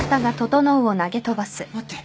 待って。